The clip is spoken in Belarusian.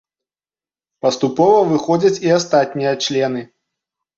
Паступова выходзяць і астатнія члены.